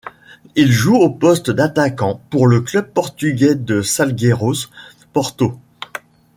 Il joue au poste d'attaquant pour le club portugais de Salgueiros Porto.